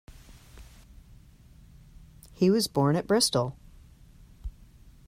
He was born at Bristol.